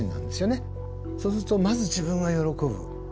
そうするとまず自分が喜ぶ。